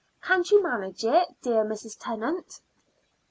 Can't you manage it, dear Mrs. Tennant?"